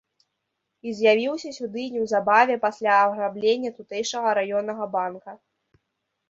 І з'явіўся сюды неўзабаве пасля аграблення тутэйшага раённага банка.